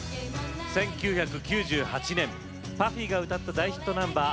１９９８年ＰＵＦＦＹが歌った大ヒットナンバー